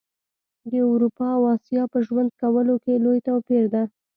د اروپا او اسیا په ژوند کولو کي لوي توپیر ده